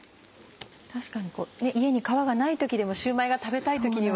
確かに家に皮がない時でもシューマイが食べたい時には。